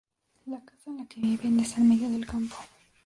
La casa en la que viven está en medio del campo.